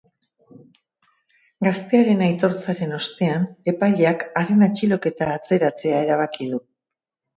Gaztearen aitortzaren ostean, epaileak haren atxiloketa atzeratzea erabaki du.